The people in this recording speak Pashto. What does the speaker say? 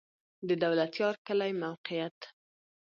د دولتيار کلی موقعیت